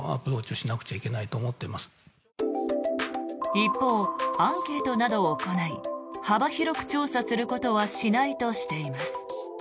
一方、アンケートなどを行い幅広く調査することはしないとしています。